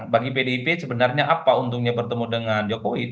bagi pdip sebenarnya apa untungnya bertemu dengan jokowi